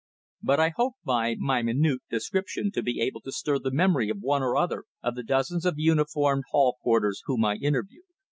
But I hoped by my minute description to be able to stir the memory of one or other of the dozens of uniformed hall porters whom I interviewed.